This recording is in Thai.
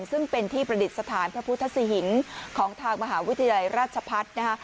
ซึ่งเป็นที่ประดิษฐานพระพุทธสิหิงของทางมหาวิทยาลัยราชพัฒน์นะคะ